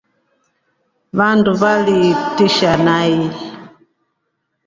Vandu validisha nai.